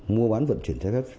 mua bán vận chuyển trái phép